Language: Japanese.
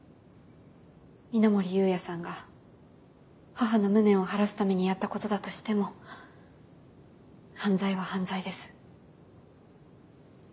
稲森有也さんが母の無念を晴らすためにやったことだとしても犯罪は犯罪です。